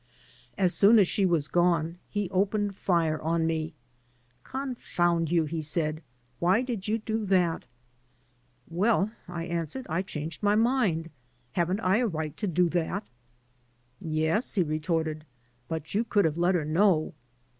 As soon as she was gone he opened fire on me. "Confound you/' he said, "why did you do that?" "Well, I answered, I changed my mind. Haven't I a right to do that?'* "Yes," he retorted, "but you could have let her know."